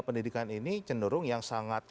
pendidikan ini cenderung yang sangat